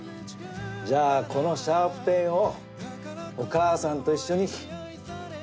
じゃあこのシャーペンをお母さんと一緒に返しといで。